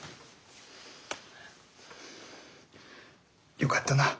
よかったなお雛。